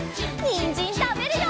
にんじんたべるよ！